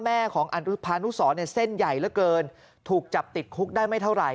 แม่ของพานุสรเนี่ยเส้นใหญ่เหลือเกินถูกจับติดคุกได้ไม่เท่าไห